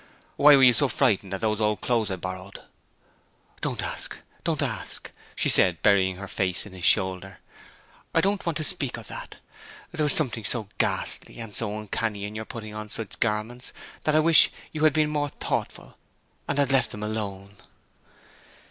Why were you so frightened at those old clothes I borrowed?' 'Don't ask, don't ask!' she said, burying her face on his shoulder. 'I don't want to speak of that. There was something so ghastly and so uncanny in your putting on such garments that I wish you had been more thoughtful, and had left them alone.'